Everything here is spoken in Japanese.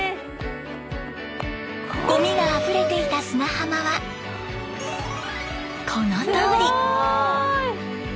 ゴミがあふれていた砂浜はこのとおり！